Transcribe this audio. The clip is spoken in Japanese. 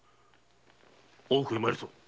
大奥へ参るぞ！